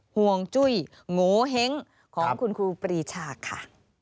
ห่วงจุ้ยโงเห้งของคุณครูปรีชาค่ะ